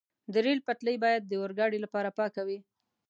د ریل پټلۍ باید د اورګاډي لپاره پاکه وي.